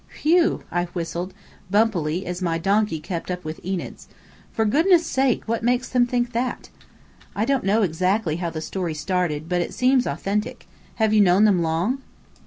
"Whew!" I whistled, bumpily, as my donkey kept up with Enid's. "For goodness' sake, what makes them think that?" "I don't know exactly how the story started, but it seems authentic. Have you known them long?"